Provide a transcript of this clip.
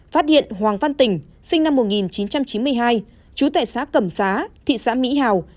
phát hiện hoàng văn tỉnh sinh năm một nghìn chín trăm chín mươi hai trú tại xã cẩm xá thị xã mỹ hào